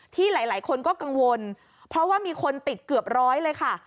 ที่หลายคนก็กังวลเพราะว่ามีคนติดเกือบร้อยเลยค่ะ